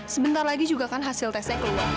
sebentar lagi juga kan hasil tesnya keluar